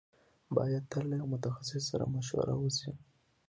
بايد تل له يوه متخصص سره مشوره وشي.